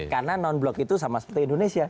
karena non block itu sama seperti indonesia